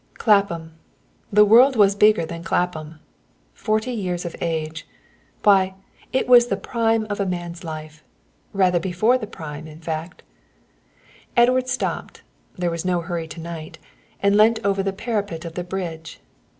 Clapham! The world was bigger than Clapham. Forty years of age! Why, it was the prime of a man's life, rather before the prime, in fact. Edward stopped, there was no hurry to night, and leant over the parapet of the bridge.